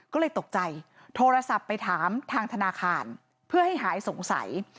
ก็เลยตกใจโทรศัพท์ไปถามทางธนาคารเพื่อให้หายสงสัย